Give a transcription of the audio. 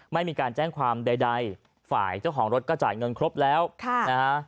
ไม่มีการแจ้งความใดฝ่ายเจ้าของรถก็จ่ายเงินครบแล้วค่ะนะฮะ